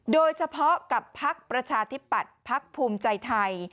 โดยเฉพาะกับพักประชาธิปัตย์พักภูมิใจไทย